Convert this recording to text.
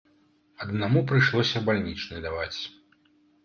Аднаму прыйшлося бальнічны даваць.